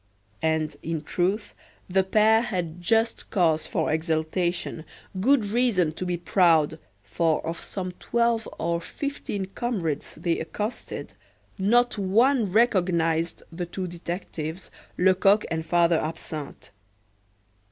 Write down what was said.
And in truth the pair had just cause for exultation, good reason to be proud, for of some twelve or fifteen comrades they accosted, not one recognized the two detectives, Lecoq and Father Absinthe.